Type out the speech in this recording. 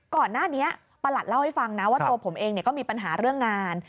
ก่อนหน้านี้ประหลัดเล่าให้ฟังนะว่าตัวผมเองก็มีปัญหาเรื่องงาน